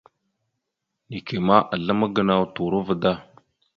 Neke ma, aslam gənaw turova da.